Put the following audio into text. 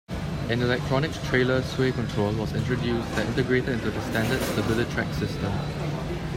An Electronic Trailer Sway Control was introduced that integrated into the standard StabiliTrak system.